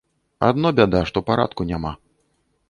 Адно бяда, што парадку няма.